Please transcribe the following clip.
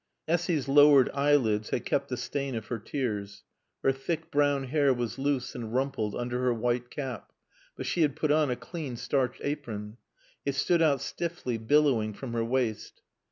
Essy's lowered eyelids had kept the stain of her tears. Her thick brown hair was loose and rumpled under her white cap. But she had put on a clean, starched apron. It stood out stiffly, billowing, from her waist.